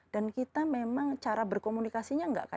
dan kita memang cara berkomunikasinya harus berubah